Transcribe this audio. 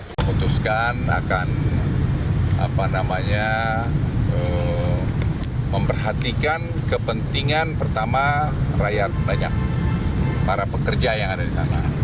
memutuskan akan memperhatikan kepentingan pertama rakyat banyak para pekerja yang ada di sana